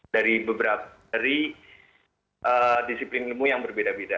dari disiplin ilmu yang berbeda beda